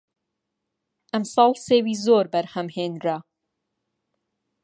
ئەمساڵ سێوی زۆر بەرهەم هێنرا